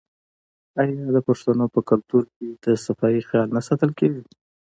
آیا د پښتنو په کلتور کې د صفايي خیال نه ساتل کیږي؟